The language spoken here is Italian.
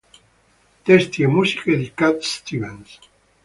Testi e musiche di Cat Stevens.